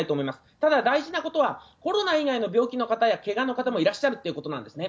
ただ、大事なことは、コロナ以外の病気の方やけがの方もいらっしゃるっていうことなんですね。